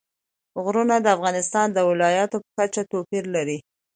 غرونه د افغانستان د ولایاتو په کچه توپیر لري.